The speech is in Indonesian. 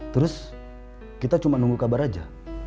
terus kita cuma nunggu kabar aja